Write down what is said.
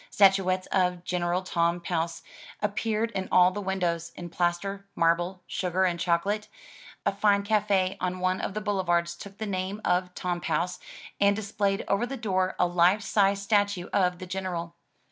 Statuettes of General Tom Pouce appeared in all the windows, in plaster, marble, sugar and choco late. A fine cafe on one of the boulevards took the name of "Tom Pouce*' and displayed over the door a life size statue of the General.